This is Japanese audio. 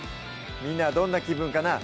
みんなはどんな気分かなぁ